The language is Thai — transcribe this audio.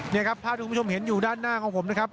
นี่ครับภาพที่คุณผู้ชมเห็นอยู่ด้านหน้าของผมนะครับ